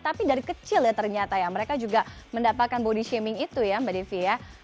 tapi dari kecil ya ternyata ya mereka juga mendapatkan body shaming itu ya mbak devi ya